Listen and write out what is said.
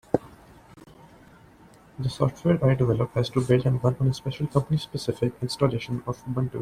The software I develop has to build and run on a special company-specific installation of Ubuntu.